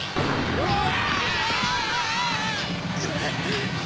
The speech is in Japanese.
うわ！